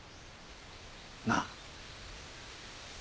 なあ？